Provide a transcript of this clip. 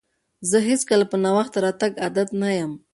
زه هیڅکله په ناوخته راتګ عادت نه یم.